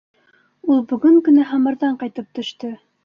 Ул бөгөн генә Һамарҙан ҡайтып төштө.